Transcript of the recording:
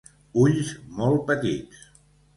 Ulls molt petits.